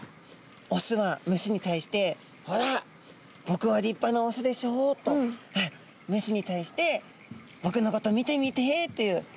オスはメスに対して「ほら僕は立派なオスでしょう」とメスに対して「僕のこと見てみて」という。